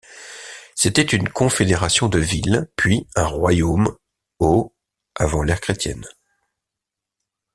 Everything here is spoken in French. C'était une confédération de villes puis un royaume au avant l'ère chrétienne.